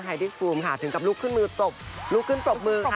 ไฮรี่ฟูมค่ะถึงกับลุกขึ้นปลบมือค่ะ